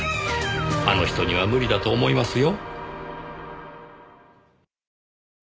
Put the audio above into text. あの人には無理だと思いますよ。